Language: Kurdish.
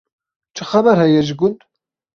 Çi xeber heye ji gund?